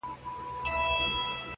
په ګاونډ کي پاچاهان او دربارونه-